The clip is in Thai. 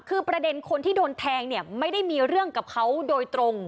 คือประเด็นคนที่โดนแทงเนี่ยไม่ได้มีเรื่องกับเขาโดยตรง